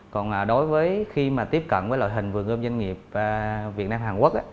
còn đối với khi mà tiếp cận với loại hình vườn ươm doanh nghiệp việt nam hàn quốc